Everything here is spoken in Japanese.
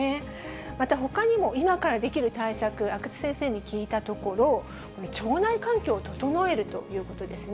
またほかにも、今からできる対策、阿久津先生に聞いたところ、これ、腸内環境を整えるということなんですね。